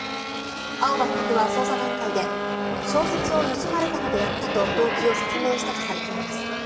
青葉被告は捜査段階で小説を盗まれたのでやったと動機を説明したとされています。